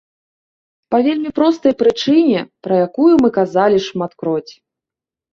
Па вельмі простай прычыне, пра якую мы казалі шматкроць.